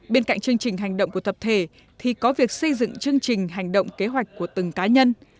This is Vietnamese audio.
bên cạnh chương trình hành động của tập thể thì có việc xây dựng chương trình hành động kế hoạch của từng cá nhân